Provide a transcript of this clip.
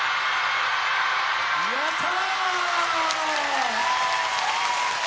やった！